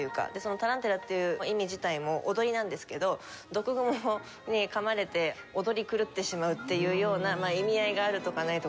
タランテラっていう意味自体も踊りなんですけど毒グモにかまれて踊り狂ってしまうっていうような意味合いがあるとかないとか。